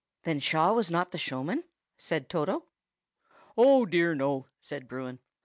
"Then Shaw was not the showman?" said Toto. "Oh, dear, no!" said Bruin.